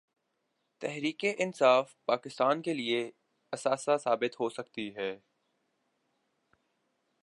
تحریک انصاف پاکستان کے لیے اثاثہ ثابت ہو سکتی ہے۔